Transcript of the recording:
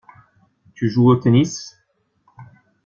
Tu joues au tennis?